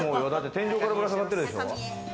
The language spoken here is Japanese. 天井からぶら下がってるでしょ？